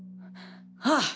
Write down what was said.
ああ。